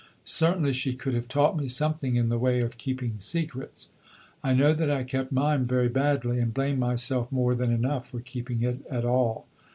Certainly she could have taught me something in the way of keeping secrets. I know that I kept mine very badly, and blame myself more than enough for keeping it at all.